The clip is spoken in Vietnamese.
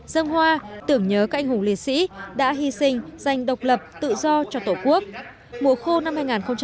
dân hoa tưởng nhớ các anh hùng liệt sĩ đã hy sinh giành độc lập tự do cho tổ quốc